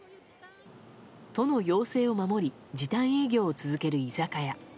都の要請を守り時短営業を続ける居酒屋。